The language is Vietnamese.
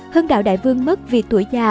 hưng đạo đại vương mất vì tuổi già